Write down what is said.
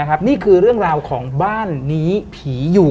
เออนะครับนี่คือเรื่องราวของบ้านนี้ผีอยู่